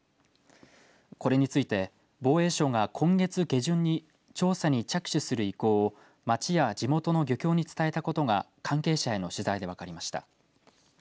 これについて防衛省は今月下旬に調査に着手する意向を町や地元の漁協に伝えたことが関係者への取材で分かりました。